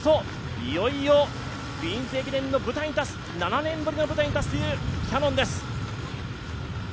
いよいよ「クイーンズ駅伝」の７年ぶりの舞台に立つというキヤノンです。